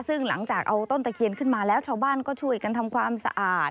ซึ่งหลังจากเอาต้นตะเคียนขึ้นมาแล้วชาวบ้านก็ช่วยกันทำความสะอาด